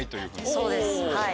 そうですはい。